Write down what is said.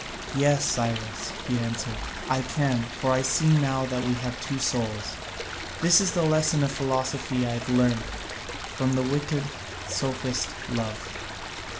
"Yes, Cyrus," he answered, "I can; for I see now that we have two souls. This is the lesson of philosophy that I have learnt from the wicked sophist Love.